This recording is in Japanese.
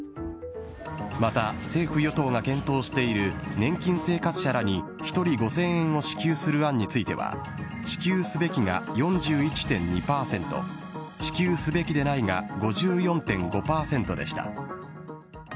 また政府・与党が検討している、年金生活者らに１人５０００円を支給する案については、支給すべきが４１．２％、支給すべきでないが５４．５％でした。